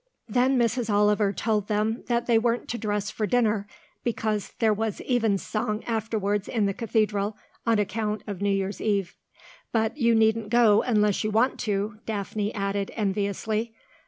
Then Mrs. Oliver told them that they weren't to dress for dinner, because there was evensong afterwards in the Cathedral, on account of New Year's Eve. "But you needn't go unless you want to," Daphne added, enviously.